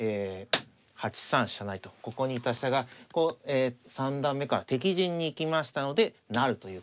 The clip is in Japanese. ８三飛車成とここにいた飛車が三段目から敵陣に行きましたので成るということ。